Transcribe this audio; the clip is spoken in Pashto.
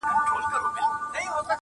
زما پۀ زړۀ بلاندي د تورو ګزارونه كېدل-